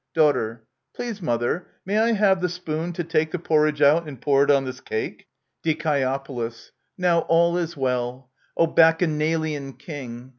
Daughter. Please, mother, may I have the spoon, to take The porridge out and pour it on this cake ? Die. Now all is well O Bacchanalian king